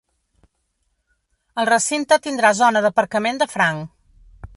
El recinte tindrà zona d’aparcament de franc.